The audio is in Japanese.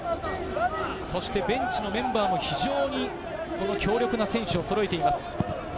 そしてベンチのメンバーも非常に強力な選手をそろえています。